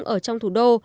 ở trong thủ đô